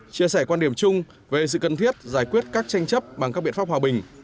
chia sẻ quan điểm chung về sự cần thiết giải quyết các tranh chấp bằng các biện pháp hòa bình